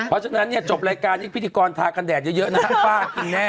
เพราะฉะนั้นเนี่ยจบรายการนี้พิธีกรทากันแดดเยอะนะฮะป้ากินแน่